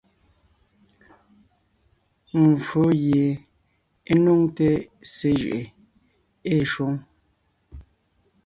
Mvfó gie é nuŋte ssé jʉʼʉ ée shwoŋ.